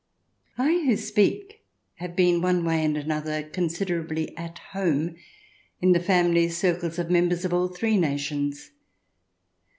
I, who speak, have been one way and another considerably " at home " in the family circles of members of all three nations.